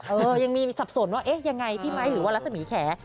เออยังมีสับสนว่าเอ๊ะยังไงพี่ไมค์หรือว่ารัศมีแข